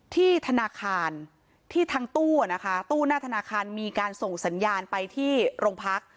ที่ธนาคารที่ทางตู้นะคะตู้หน้าธนาคารมีการส่งสัญญาณไปที่โรงพัก